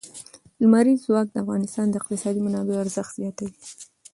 لمریز ځواک د افغانستان د اقتصادي منابعو ارزښت زیاتوي.